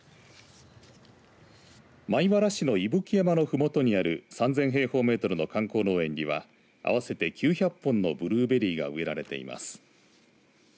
米原市の伊吹山のふもとにある３０００平方メートルの観光農園には合わせて９００本のブルーベリーが植えられています。